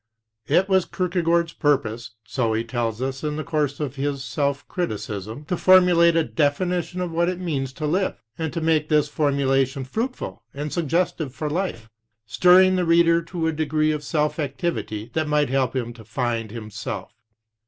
It was Kierkegaard's purpose, so he tells us in the course of this self criticism, to formulate a definition of what it means to live, and to make this formulation fruitful and suggestive for life, stirring the reader to a degree of self activity that might help him to find himself.